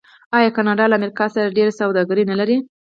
آیا کاناډا له امریکا سره ډیره سوداګري نلري؟